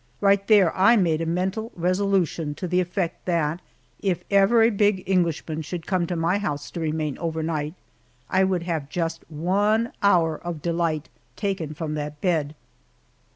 Right there I made a mental resolution to the effect that if ever a big Englishman should come to my house to remain overnight, I would have just one hour of delight taken from that bed!